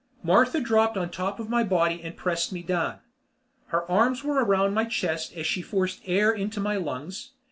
Martha dropped on top of my body and pressed me down. Her arms were around my chest as she forced air into my lungs.